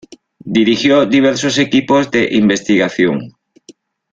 Dirigió diversos equipos de investigación.